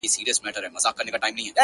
په نس ماړه او پړسېدلي کارغان!!